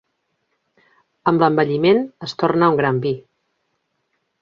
Amb l'envelliment es torna un gran vi.